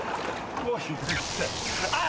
あっ！